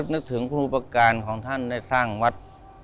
นึกถึงคุณอุปการณ์ของท่านได้สร้างวัด